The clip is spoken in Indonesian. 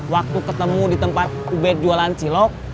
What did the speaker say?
waktu ketemu di tempat ubed jualan cilok